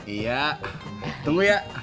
iya tunggu ya